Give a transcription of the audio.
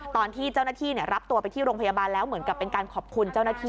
ตอนที่เจ้าหน้าที่รับตัวไปที่โรงพยาบาลแล้วเหมือนกับเป็นการขอบคุณเจ้าหน้าที่